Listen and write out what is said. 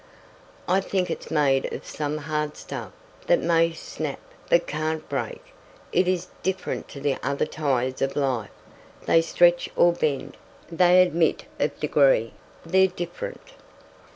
I think it's made of some hard stuff, that may snap, but can't break. It is different to the other ties of life. They stretch or bend. They admit of degree. They're different."